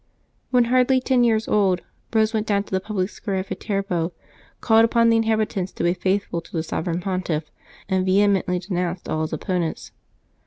When hardly ten years old, Eose went down to the public square at Viterbo, called upon the inhabitants to be faithful to the Sovereign Pontiff, and vehemently denounced all his oppo nents.